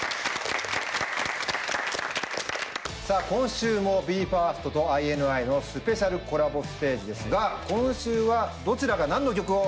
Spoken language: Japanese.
さぁ今週もＢＥ：ＦＩＲＳＴとＩＮＩのスペシャルコラボステージですが今週は。